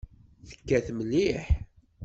Tekkat mliḥ.